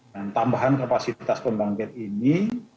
dan tambahan kapasitas pembangkit ini